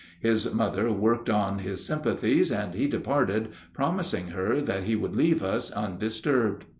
His mother worked on his sympathies, and he departed promising her that he would leave us undisturbed.